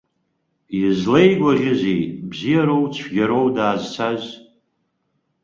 Излаигәаӷьызеи, бзиароу-цәгьароу даазцаз?